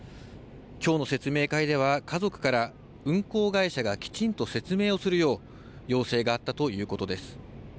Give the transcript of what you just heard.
きょうの説明会では、家族から、運航会社がきちんと説明をするよう、要請があったということです。